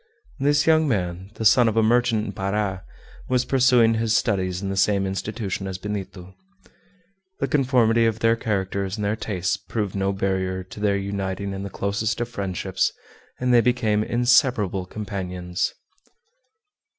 This young man, the son of a merchant in Para, was pursuing his studies in the same institution as Benito. The conformity of their characters and their tastes proved no barrier to their uniting in the closest of friendships, and they became inseparable companions.